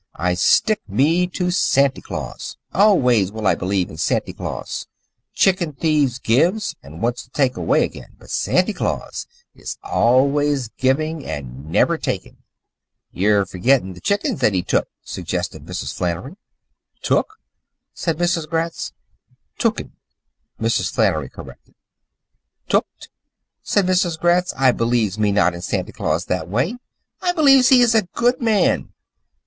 I stick me to Santy Claus. Always will I belief in Santy Claus. Chicken thiefs gives, and wants to take away again, but Santy Claus is always giving and never taking." "Ye 're fergettin' th' chickens that was took," suggested Mrs. Flannery. "Took?" said Mrs. Gratz. "Tooken," Mrs. Flannery corrected. "Tooked?" said Mrs. Gratz. "I beliefs me not in Santy Claus that way. I beliefs he is a good old man.